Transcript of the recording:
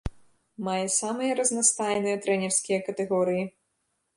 Мае самыя разнастайныя трэнерскія катэгорыі.